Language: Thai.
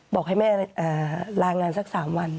บอกให้แม่ลางานสัก๓วัน